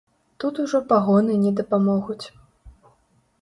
Тут ужо пагоны не дапамогуць.